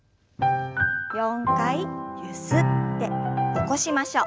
４回ゆすって起こしましょう。